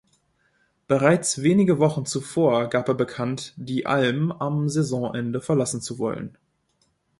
Bereits wenige Wochen zuvor gab er bekannt, die „Alm“ am Saisonende verlassen zu wollen.